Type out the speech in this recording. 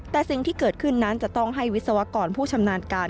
แต่สิ่งที่เกิดขึ้นนั้นจะต้องให้วิศวกรผู้ชำนาญการ